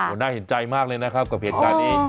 น่าเห็นใจมากเลยนะครับกับเหตุการณ์นี้